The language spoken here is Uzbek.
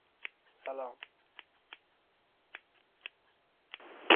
— Voy onajon-a! — dedi ingrab.